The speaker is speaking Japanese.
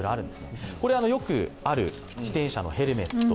これはよくある自転車のヘルメット。